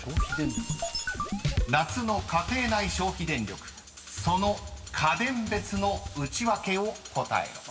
［夏の家庭内消費電力その家電別のウチワケを答えろ］